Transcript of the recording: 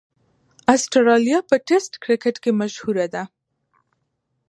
اسټرالیا په ټېسټ کرکټ کښي مشهوره ده.